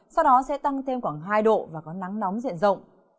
sau đó sẽ tăng thêm khoảng hai độ và có nắng nóng diện rộng